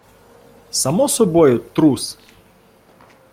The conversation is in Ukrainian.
Само собою - трус.